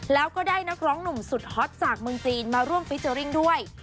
แล้วก็ได้นักร้องหนุ่มสุดฮอตจากเมืองจีนมาร่วมฟิเจอร์ริ่งด้วย